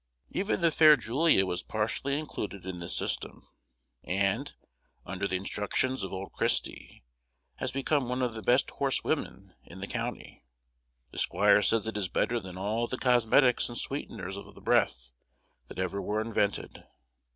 Even the fair Julia was partially included in this system; and, under the instructions of old Christy, has become one of the best horsewomen in the county. The squire says it is better than all the cosmetics and sweeteners of the breath that ever were invented.